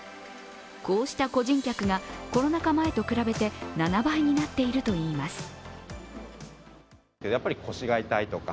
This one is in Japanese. こうした個人客がコロナ禍前と比べて７倍になっているといいます